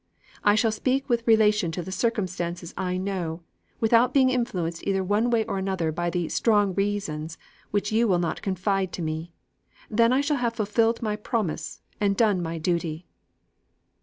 I shall speak with relation to the circumstances I know, without being influenced either one way or another by the 'strong reasons' which you will not confide to me. Then I shall have fulfilled my promise, and done my duty.